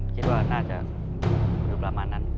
คิดว่าน่าจะอยู่ประมาณนั้น